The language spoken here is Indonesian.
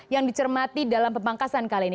yang dicermati dalam pemangkasan kali ini